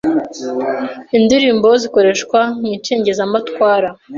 Indirimbo zikoreshwa mu icengezamatwara